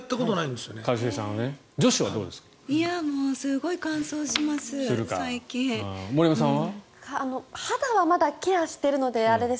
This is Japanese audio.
すごく乾燥します。